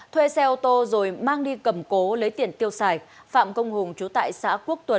thuê xe ô tô rồi mang đi cầm cố lấy tiền tiêu xài phạm công hùng chú tại xã quốc tuấn